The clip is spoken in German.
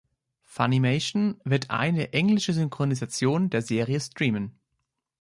Funimation wird eine englische Synchronisation der Serie streamen.